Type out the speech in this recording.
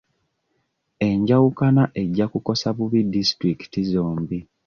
Enjawukana ejja kukosa bubi disitulikiti zombi.